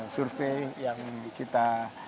survei yang kita